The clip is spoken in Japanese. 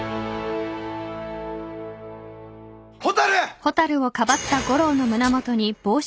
蛍！